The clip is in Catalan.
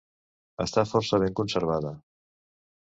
Està força ben conservada.